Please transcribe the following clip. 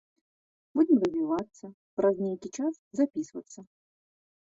Будзем развівацца, праз нейкі час запісвацца.